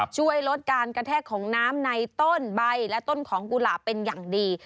ช่วยลดการกระแทกของน้ำในต้นใบและต้นของกุหลาบเป็นอย่างดี